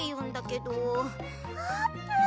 あーぷん！？